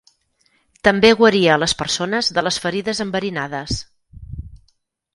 També guaria a les persones de les ferides enverinades.